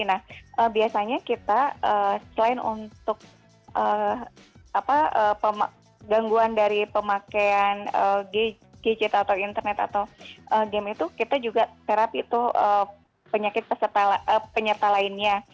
nah biasanya kita selain untuk gangguan dari pemakaian gadget atau internet atau game itu kita juga terap itu penyakit penyerta lainnya